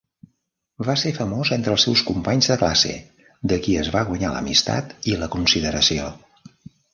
Va ser famós entre els seus companys de classe, de qui es va guanyar l'amistat i la consideració.